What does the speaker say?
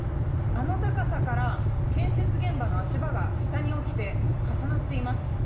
あの高さから建設現場の足場が下に落ちて重なっています。